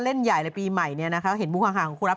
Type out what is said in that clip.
เล่นใหญ่ในปีใหม่นี้นะ